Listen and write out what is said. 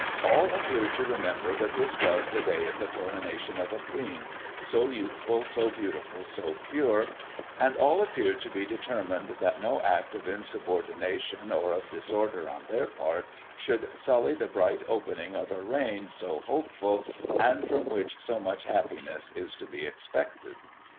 All appeared to remember that this was the day of the Coronation of a Queen, so youthful, so beautiful, so pure, and all appeared to be determined that no act of insubordination or of disorder on their part should sully the bright opening of a reign so hopeful, and from which so much happiness is to be expected.